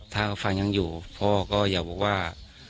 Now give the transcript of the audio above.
ถ้าฟังยังอยู่พ่อก็อย่าบอกว่า